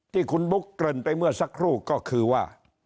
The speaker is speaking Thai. ที่คุณบุ๊คเกริ่นไปเมื่อสักครู่ก็คือว่า